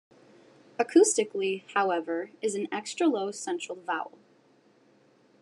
Acoustically, however, is an extra-low central vowel.